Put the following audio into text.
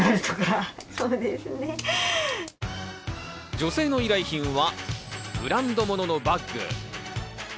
女性の依頼品はブランド物のバッグ。